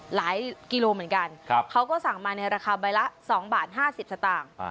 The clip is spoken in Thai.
กิโลเหมือนกันเขาก็สั่งมาในราคาใบละ๒บาท๕๐สตางค์